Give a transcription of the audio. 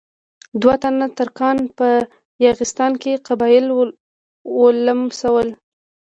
دوه تنه ترکان په یاغستان کې قبایل ولمسول.